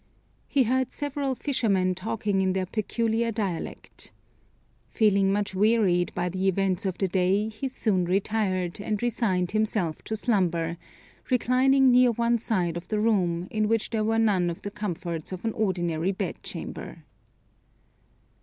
He heard several fishermen talking in their peculiar dialect. Feeling much wearied by the events of the day, he soon retired, and resigned himself to slumber, reclining near one side of the room, in which there were none of the comforts of an ordinary bedchamber.